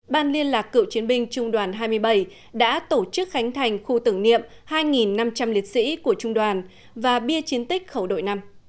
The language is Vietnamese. ban liên lạc cựu chiến binh trung đoàn hai mươi bảy đã tổ chức khánh thành khu tưởng niệm hai năm trăm linh liệt sĩ của trung đoàn và bia chiến tích khẩu đội năm